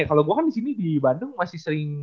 kalo gua kan disini di bandung masih sering